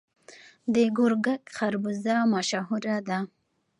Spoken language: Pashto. د ګرګک خربوزه مشهوره ده.